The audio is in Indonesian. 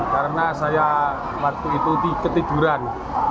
karena saya waktu itu ketiduran